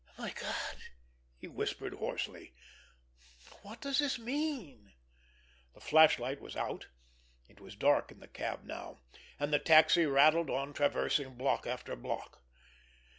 "My God," he whispered hoarsely, "what does this mean?" The flashlight was out. It was dark in the cab now, and the taxi rattled on traversing block after block.